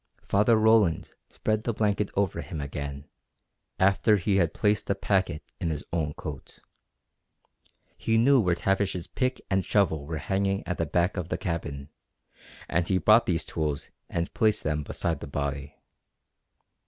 Father Roland spread the blanket over him again after he had placed the packet in his own coat. He knew where Tavish's pick and shovel were hanging at the back of the cabin and he brought these tools and placed them beside the body.